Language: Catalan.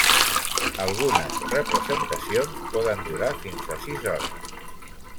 Algunes representacions poden durar fins a sis hores.